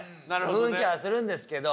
雰囲気はするんですけど。